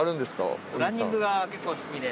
ランニングが結構好きで。